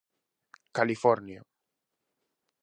California.